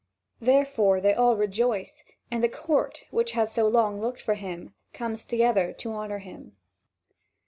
Therefore they all rejoice, and the court, which so long has looked for him, comes together to honour him.